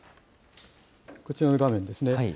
こちらの画面ですね。